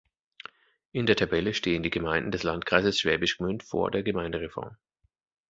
In der Tabelle stehen die Gemeinden des Landkreises Schwäbisch Gmünd "vor" der Gemeindereform.